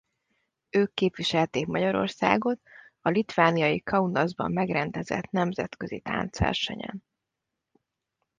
Ők képviselték Magyarországot a litvániai Kaunasban megrendezett nemzetközi táncversenyen.